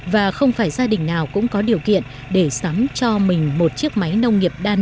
và không phải gia đình nào cũng có điều kiện để sắm cho mình một chiếc máy nông nghiệp đa năng